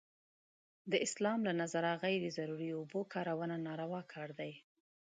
چې د اسلام له نظره غیر ضروري اوبو کارونه ناروا کار دی.